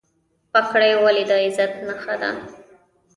پګړۍ ولې د عزت نښه ده؟